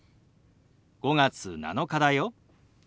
「５月７日だよ」。